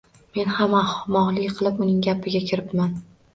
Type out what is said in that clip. Men ham ahmoqlik qilib uning gapiga kiribman